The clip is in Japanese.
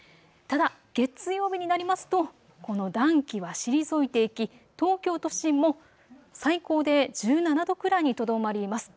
ただ月曜日になりますとこの暖気は退いていき東京都心も最高で１７度くらいにとどまります。